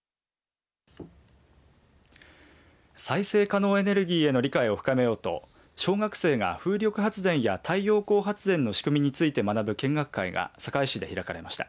再生可能エネルギーへの理解を深めようと小学生が風力発電や太陽光発電の仕組みについて学ぶ見学会が坂井市で開かれました。